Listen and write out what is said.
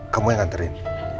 kamu yang nganterin